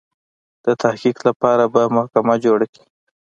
د تحقیق لپاره به محکمه جوړه کړي.